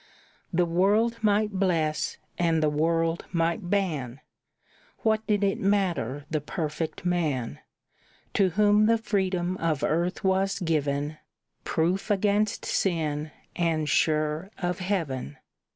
The world might bless and the world might ban, What did it matter the perfect man, To whom the freedom of earth was given, Proof against sin, and sure of heaven?